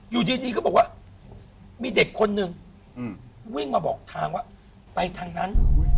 อยู่ดีก็บอกว่ามีเด็กคนนึงวิ่งมาบอกทางว่าไปทางนั้น